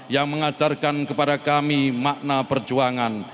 yang mengajarkan kepada kami makna perjuangan